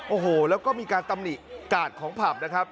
โอ้โหแล้วก็มีการตำหนิกาดของผับนะครับ